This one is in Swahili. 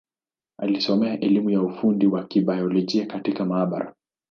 Alisomea elimu ya ufundi wa Kibiolojia katika maabara.